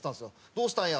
「どうしたんや？」